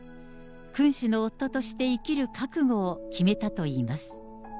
君主の夫として生きる覚悟を決めたといいます。